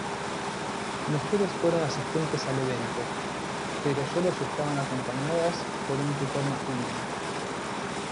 Mujeres fueron asistentes al evento, pero solo si estaban acompañadas por un tutor masculino.